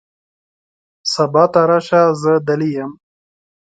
سبا ته راشه ، زه دلې یم .